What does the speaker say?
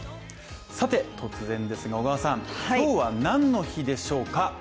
突然ですが小川さん今日は何の日でしょうか。